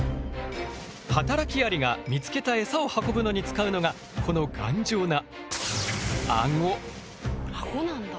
はたらきアリが見つけたエサを運ぶのに使うのがアゴなんだ。